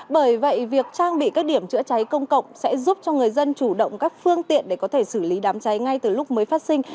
bởi vậy việc trang bị các điểm chữa cháy công cộng sẽ giúp cho người dân chủ động các phương tiện để có thể xử lý đám cháy ngay từ lúc mới phát sinh